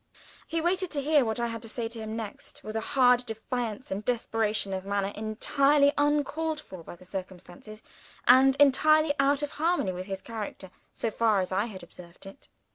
He waited to hear what I had to say to him next, with a hard defiance and desperation of manner entirely uncalled for by the circumstances, and entirely out of harmony with his character, so far as I had observed it.